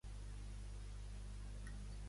Donnie Dacus el va reemplaçar en aquest àlbum.